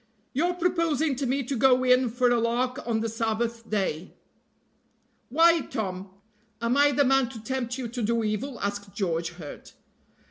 "Your proposing to me to go in for a lark on the Sabbath day. "Why, Tom, am I the man to tempt you to do evil?" asked George, hurt.